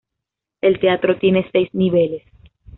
El teatro tiene seis niveles.